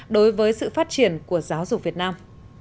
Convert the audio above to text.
đối với sự phát triển của giáo dục việt nam